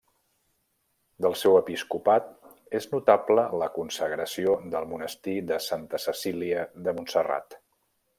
Del seu episcopat és notable la consagració del monestir de Santa Cecília de Montserrat.